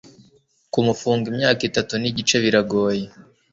Kumufunga imyaka itatu nigice biragoye